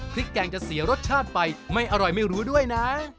แกงจะเสียรสชาติไปไม่อร่อยไม่รู้ด้วยนะ